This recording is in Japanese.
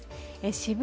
渋谷